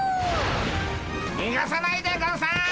にがさないでゴンス！